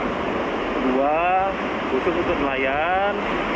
kedua khusus untuk melayan